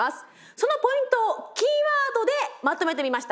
そのポイントをキーワードでまとめてみました。